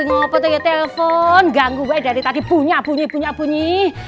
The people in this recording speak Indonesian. ngopo telepon ganggu w dari tadi punya punya punya bunyi